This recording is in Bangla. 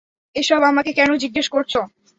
এসব আমাকে কেন জিজ্ঞেস করছো?